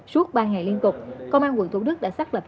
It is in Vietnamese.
suốt ba ngày liên tục công an quận thủ đức đã xác lập